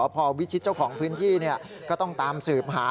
ขี่รถบุ๊นออกไปเลยนะฮะ